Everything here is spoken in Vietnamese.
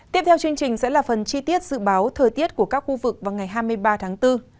tiếp theo chương trình sẽ là phần chi tiết dự báo thời tiết của các khu vực vào ngày hai mươi ba tháng bốn